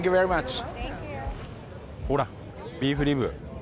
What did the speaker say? ほら、ビーフリブ。